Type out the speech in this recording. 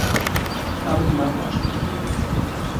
Ew ne baş bû